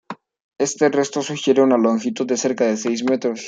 Este resto sugiere una longitud de cerca de seis metros.